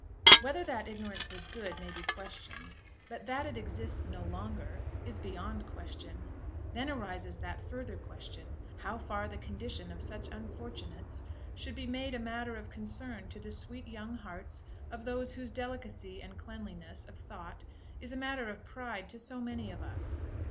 Whether that ignorance was good may be questioned; but that it exists no longer is beyond question. Then arises that further question, how far the condition of such unfortunates should be made a matter of concern to the sweet young hearts of those whose delicacy and cleanliness of thought is a matter of pride to so many of us.